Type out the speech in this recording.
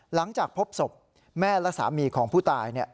หลังจากพบศพแม่และสามีของผู้ตาย